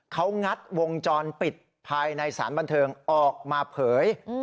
เขางัดวงจรปิดภายในสารบันเทิงออกมาเผย